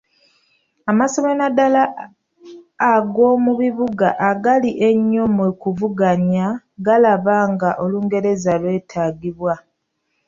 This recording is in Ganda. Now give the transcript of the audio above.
Amasomero naddala ag’omu bibuga agali ennyo mu kuvuganya galaba nga Olungereza lwetaagibwa.